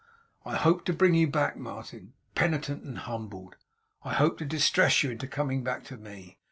I hoped to bring you back, Martin, penitent and humbled. I hoped to distress you into coming back to me.